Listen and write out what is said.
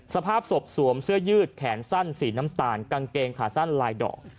สภาพศพสวมเสื้อยืดแขนสั้นสีน้ำตาลกางเกงขาสั้นลายดอก